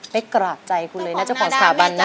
กราบใจคุณเลยนะเจ้าของสถาบันนะ